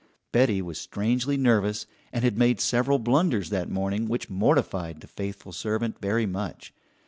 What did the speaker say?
Betty was strangely nervous, and had made several blunders that morning which mortified the faithful servant very much.